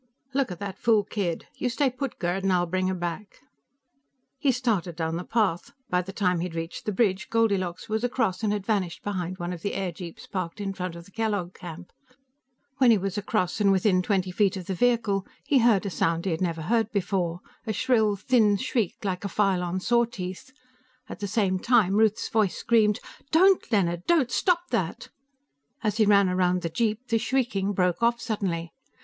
"Look at that fool kid; you stay put, Gerd, and I'll bring her back." He started down the path; by the time he had reached the bridge, Goldilocks was across and had vanished behind one of the airjeeps parked in front of the Kellogg camp. When he was across and within twenty feet of the vehicle, he heard a sound across and within twenty feet of the vehicle, he heard a sound he had never heard before a shrill, thin shriek, like a file on saw teeth. At the same time, Ruth's voice screamed. "Don't! Leonard, stop that!" As he ran around the jeep, the shrieking broke off suddenly.